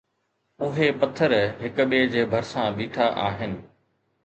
اهي پٿر هڪ ٻئي جي ڀرسان بيٺا آهن